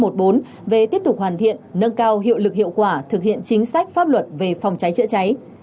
về tiếp tục hoàn thiện nâng cao hiệu lực hiệu quả thực hiện chính sách pháp luật về phòng cháy chữa cháy